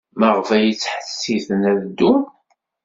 Maɣef ay ttḥettiten ad ddun?